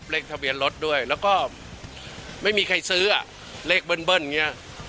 เลขทะเบียนรถด้วยแล้วก็ไม่มีใครซื้ออ่ะเลขเบิ้ลอย่างนี้